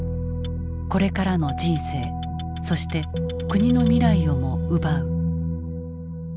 これからの人生そして国の未来をも奪う。